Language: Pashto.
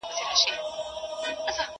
خر د گل په بوى څه پوهېږي؟